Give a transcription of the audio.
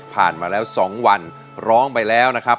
มาแล้ว๒วันร้องไปแล้วนะครับ